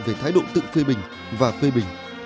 về thái độ tự phê bình và phê bình